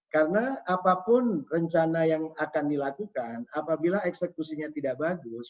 karena apapun rencana yang akan dilakukan apabila eksekusinya tidak bagus